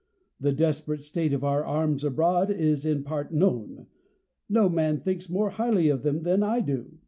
The desperate state of our arms abroad is in part known. No man thinks more highly of them than I do.